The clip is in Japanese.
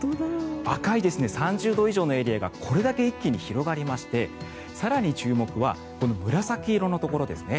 赤い３０度以上のエリアがこれだけ一気に広がりまして更に注目はこの紫色のところですね。